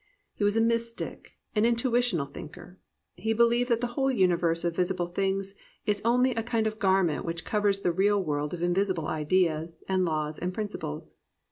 He was a mystic, an intuitional thinker. He believed that the whole universe of visible things is only a kind of garment which covers the real world of invisible ideas and laws and principles.